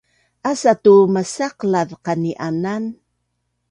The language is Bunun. asa tu masaqlaz qani’anan